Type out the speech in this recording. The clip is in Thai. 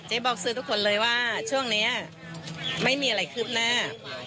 บอกสื่อทุกคนเลยว่าช่วงนี้ไม่มีอะไรคืบหน้า